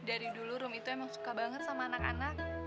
dari dulu room itu emang suka banget sama anak anak